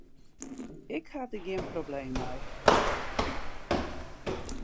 Ik ha der gjin probleem mei.